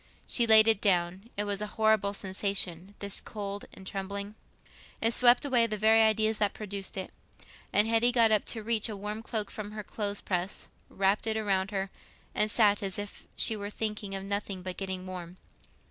She laid it down. It was a horrible sensation—this cold and trembling. It swept away the very ideas that produced it, and Hetty got up to reach a warm cloak from her clothes press, wrapped it round her, and sat as if she were thinking of nothing but getting warm.